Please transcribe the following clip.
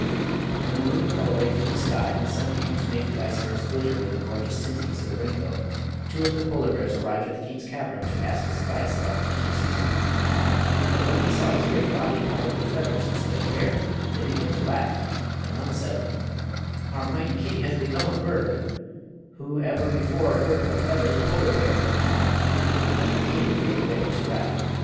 When the moon fell away from the sky and the sun came to make the icebergs glitter with the gorgeous tintings of the rainbow, two of the polar bears arrived at the king's cavern to ask his advice about the hunting season. But when they saw his great body covered with feathers instead of hair they began to laugh, and one said: "Our mighty king has become a bird! Who ever before heard of a feathered polar bear?" Then the king gave way to wrath.